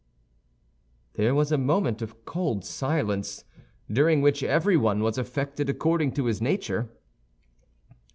There was a moment of cold silence, during which everyone was affected according to his nature.